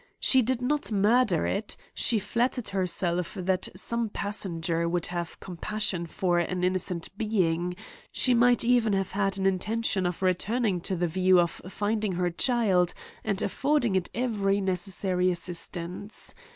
She did not murder it ; she flattered herself that some passenger would have compassion for an innocent being ; she might CRIMES AND PUNISHMENTS 16c even have had an intention of returning with the view of finding her child, and affording it every necessary assistance.